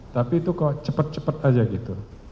tapi itu kok cepet cepet aja gitu